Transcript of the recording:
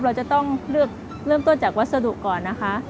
เราจะต้องเลือกเริ่มต้นจากวัสดุก่อนนะคะ